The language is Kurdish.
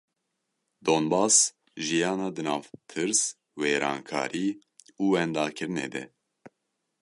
Donbas; jiyana di nav tirs, wêrankarî û wendakirinê de.